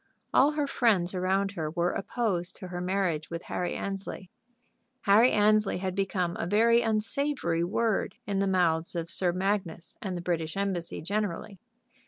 All her friends around her were opposed to her marriage with Harry Annesley. Harry Annesley had become a very unsavory word in the mouths of Sir Magnus and the British Embassy generally.